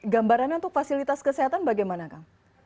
gambaran untuk fasilitas kesehatan bagaimana